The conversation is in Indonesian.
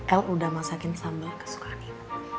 el udah masakin sambal kesukaan ibu